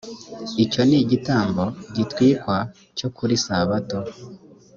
icyo ni igitambo gitwikwa cyo kuri sabato.